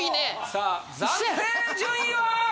さあ暫定順位は？